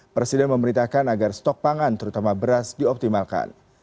presiden memerintahkan agar stok pangan terutama beras dioptimalkan